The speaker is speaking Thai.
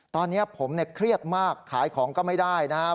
ตอนนี้ผมเครียดมากขายของก็ไม่ได้นะครับ